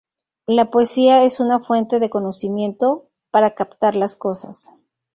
La poesía es una fuente de conocimiento, para captar las cosas.